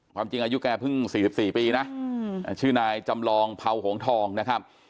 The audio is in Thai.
ความจริงอายุแกเพิ่ง๔๔ปีนะชื่อนายจำลองเผาหงทองนะครับ